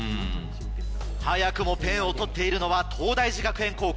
早くもペンを取っているのは東大寺学園高校。